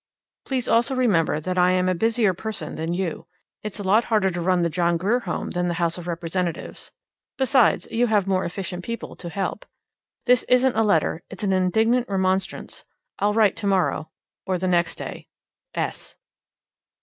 Please also remember that I'm a busier person than you. It's a lot harder to run the John Grier Home than the House of Representatives. Besides, you have more efficient people to help. This isn't a letter; it's an indignant remonstrance. I'll write tomorrow or the next day.